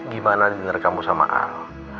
gimana denger kamu sama ang